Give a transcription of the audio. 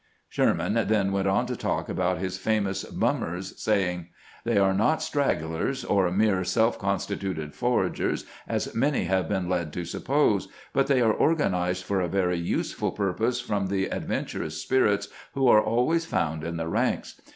" Sherman then went on to talk about his famous " bummers," saying :" They are not stragglers or mere self constituted foragers, as many have been led to sup pose, but they are organized for a very useful purpose from the adventurous spirits who are always found in the ranks.